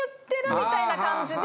みたいな感じで。